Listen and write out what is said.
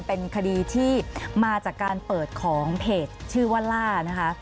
เป็นคดีที่มาจากการเปิดของเพจชื่อว่าล่านะคะ